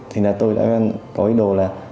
thì là tôi đã có ý đồ là